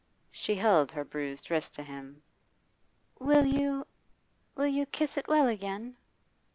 She held her bruised wrist to him. 'Will you will you kiss it well again?